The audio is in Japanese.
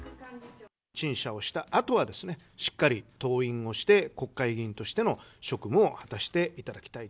陳謝をしたあとは、しっかり登院をして、国会議員としての職務を果たしていただきたい。